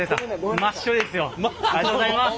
ありがとうございます？